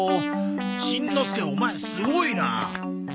しんのすけオマエすごいな！え？